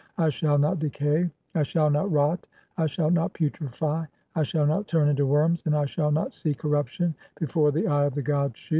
(17) I shall not decay, I "shall not rot, I shall not putrefy, I shall not turn into worms, "and I shall not see corruption before the eye of the god Shu.